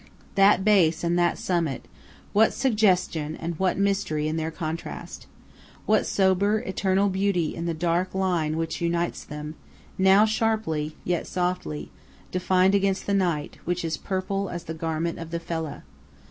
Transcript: That base and that summit what suggestion and what mystery in their contrast! What sober, eternal beauty in the dark line which unites them, now sharply, yet softly, defined against the night, which is purple as the one garment of the fellah!